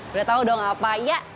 sudah tahu dong apa ya